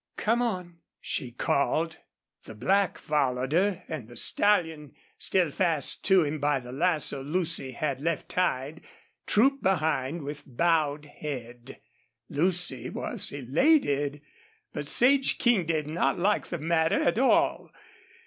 "Come on," she called. The black followed her, and the stallion, still fast to him by the lasso Lucy had left tied, trooped behind with bowed head. Lucy was elated. But Sage King did not like the matter at all.